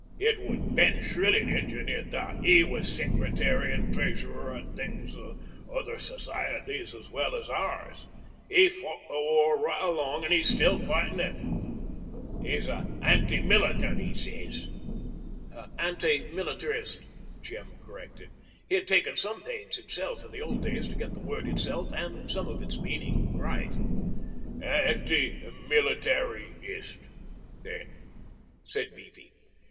It was Ben Shrillett engineered that. 'E was Secretary an' Treasurer an' things o' other societies as well as ours. 'E fought the War right along, an' 'e's still fightin' it. 'E's a anti militant, 'e ses.' 'Anti militarist,' Jem corrected. He had taken some pains himself in the old days to get the word itself and some of its meaning right. 'Anti military ist then,' said Beefy.